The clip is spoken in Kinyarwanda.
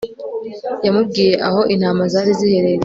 yamubwiyeaho intama zari ziherereye